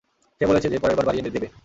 সে বলেছে যে, পরেরবার বাড়িয়ে দেবে।